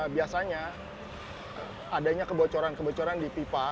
biasanya adanya kebocoran kebocoran di pipa